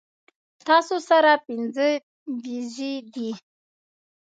تاسو سره پنځۀ بيزې دي